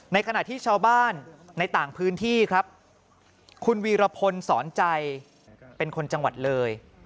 ขณะที่ชาวบ้านในต่างพื้นที่ครับคุณวีรพลสอนใจเป็นคนจังหวัดเลย